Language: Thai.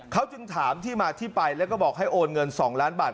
เขาจึงถามที่มาที่ไปแล้วก็บอกให้โอนเงิน๒ล้านบาท